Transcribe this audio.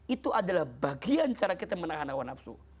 itu adalah bagian cara kita menahan hawa nafsu